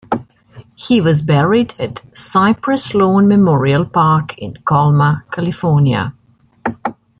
He was buried at Cypress Lawn Memorial Park in Colma, California.